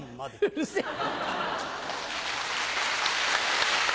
うるせぇ！